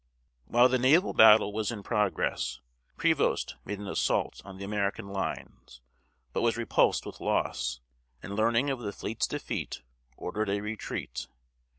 While the naval battle was in progress, Prevost made an assault on the American lines, but was repulsed with loss, and learning of the fleet's defeat, ordered a retreat.